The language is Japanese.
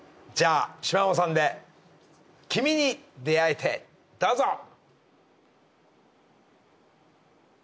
じゃあしまもさんで『君に出逢えて』どうぞ。